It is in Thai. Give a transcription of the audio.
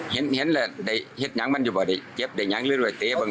เห็นแหละเห็นยังมันอยู่ไหมเดี๋ยวเดี๋ยวยังเล่นไว้เตะบัง